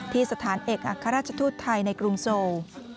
ที่สถานเอกอัฆราชทุทธิ์ไทยในกรุงโซว์